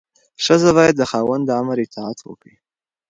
ښځه باید د خاوند د امر اطاعت وکړي.